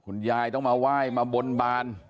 ยายต้องมาไหว้มาบนบาน